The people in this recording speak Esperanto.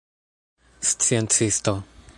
sciencisto